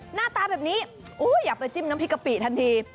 หน้าตาแบบนี้อยากไปจิ้มน้ำพริกกะปิทันที